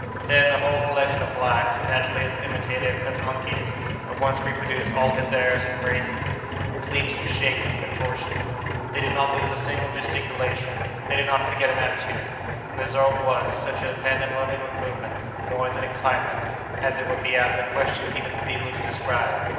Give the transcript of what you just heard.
Then, the whole collection of blacks, naturally as imitative as monkeys, at once reproduced all his airs and graces, his leaps and shakes and contortions; they did not lose a single gesticulation; they did not forget an attitude; and the result was, such a pandemonium of movement, noise, and excitement, as it would be out of the question even feebly to describe.